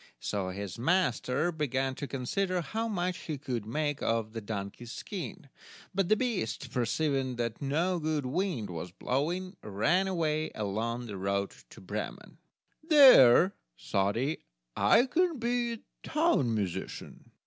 So his master began to consider how much he could make of the donkey's skin, but the beast, perceiving that no good wind was blowing, ran away along the road to Bremen. "There," thought he, "I can be town musician."